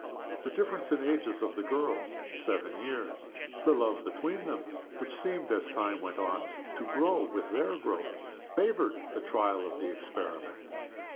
The difference in the ages of the girls seven years the love between them, which seemed, as time went on, to grow with their growth, favored the trial of the experiment.